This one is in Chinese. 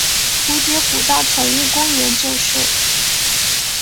蝴蝶谷道宠物公园就是。